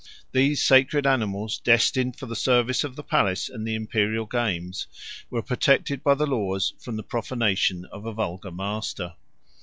These sacred animals, destined for the service of the palace and the Imperial games, were protected by the laws from the profanation of a vulgar master.